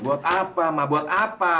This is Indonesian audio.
buat apa mau buat apa